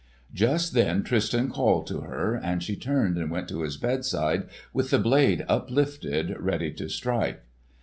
Just then Tristan called to her, and she turned and went to his bedside with the blade uplifted ready to strike.